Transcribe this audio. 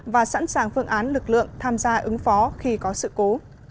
và sẵn sàng phương án lực lượng tham gia ứng phó khi có sự cố